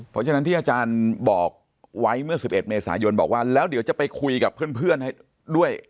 เพราะฉะนั้นที่อาจารย์บอกไว้เมื่อ๑๑เมษายนบอกว่าแล้วเดี๋ยวจะไปคุยกับเพื่อนให้ด้วย